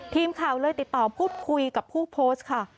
ทีมข่าวเลยติดต่อพูดคุยกับผู้โพสต์ค่ะ